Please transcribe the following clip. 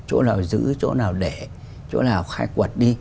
chỗ nào giữ chỗ nào để chỗ nào khai quật đi